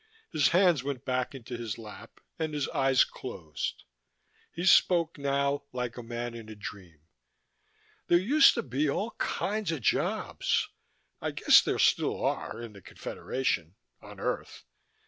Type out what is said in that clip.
His hands went back into his lap, and his eyes closed. He spoke, now, like a man in a dream. "There used to be all kinds of jobs. I guess there still are, in the Confederation. On Earth.